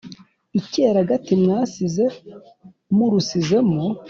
Icyeragati mwasize murusizemo